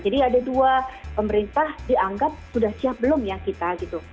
jadi ada dua pemerintah dianggap sudah siap belum ya kita gitu